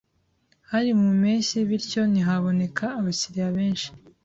Hari mu mpeshyi, bityo ntihaboneka abakiriya benshi.